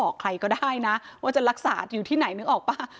บอกใครก็ได้นะว่าจะรักษาอยู่ที่ไหนนึกออกป่ะ